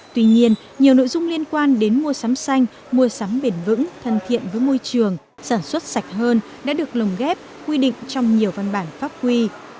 tuy nhiên nhiều nội dung liên quan đến mua sắm xanh mua sắm bền vững thân thiện với môi trường sản xuất sạch hơn đã được lồng ghép quy định trong nhiều văn bản pháp quy